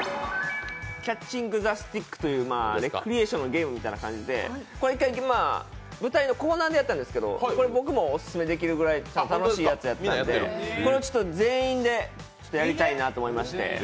「キャッチング・ザ・スティック」というレクリエーションのゲームみたいな感じで１回だけ舞台のコーナーでやったんですけどこれ、僕もオススメできるぐらい楽しいやつだったんでこれを全員でやりたいなと思いまして。